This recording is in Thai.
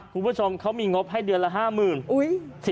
คุณผู้ชมเขามีงบให้เดือนละ๕๐๐๐บาท